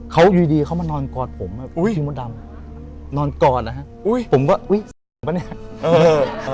เขาอยู่ดีเขามานอนกอดผมอุ้ยนอนกอดนะฮะผมก็อุ้ยปะเนี่ย